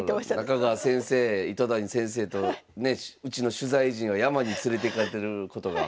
中川先生糸谷先生とねうちの取材陣は山に連れていかれることが決まりましたんで。